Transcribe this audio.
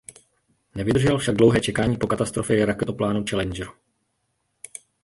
Nevydržel však dlouhé čekání po katastrofě raketoplánu Challengeru.